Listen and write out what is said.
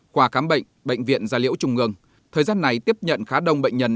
qua khám bệnh bệnh viện gia liễu trung ương thời gian này tiếp nhận khá đông bệnh nhân